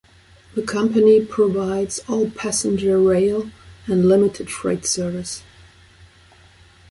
The company provides all passenger rail and limited freight service.